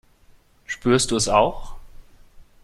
Spürst du es auch?